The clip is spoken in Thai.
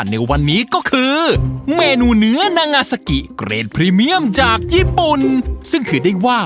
เฮ้ยมีกอล์ฟมาแล้วเหรอนั่งเลย